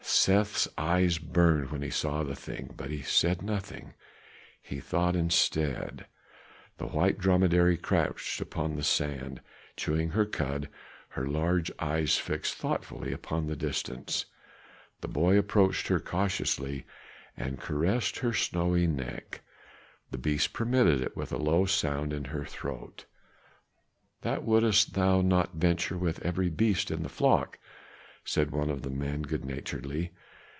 Seth's eyes burned when he saw the thing, but he said nothing; he thought instead. The white dromedary crouched upon the sand, chewing her cud, her large eyes fixed thoughtfully upon the distance. The boy approached her cautiously and caressed her snowy neck; the beast permitted it with a low sound in her throat. "That wouldst thou not venture with every beast in the flock," said one of the men good naturedly.